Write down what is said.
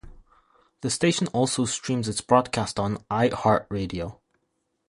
The station also streams its broadcast on iHeartRadio.